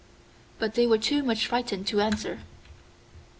But they were too much frightened to answer.